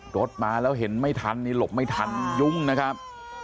รถมาแล้วเห็นไม่ทันนี่หลบไม่ทันยุ่งนะครับ